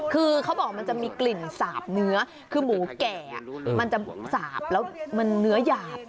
คือเขาบอกมันจะมีกลิ่นสาบเนื้อคือหมูแก่มันจะสาบแล้วมันเนื้อหยาบ